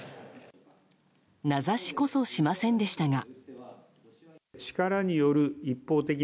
名指しこそしませんでしたが。